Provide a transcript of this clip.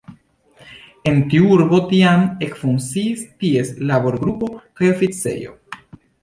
En tiu urbo tiam ekfunkciis ties laborgrupo kaj oficejo.